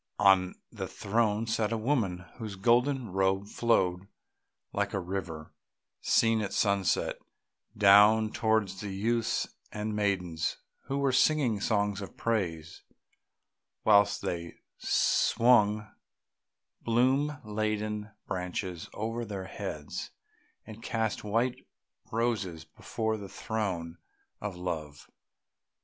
On the throne sat a woman whose golden robe flowed, like a river seen at sunset, down towards the youths and maidens who were singing songs of praise, whilst they swung bloom laden branches over their heads and cast white roses before the throne of Love.